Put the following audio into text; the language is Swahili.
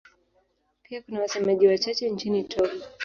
Pia kuna wasemaji wachache nchini Togo.